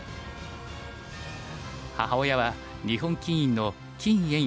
母親は日本棋院の金艶四段。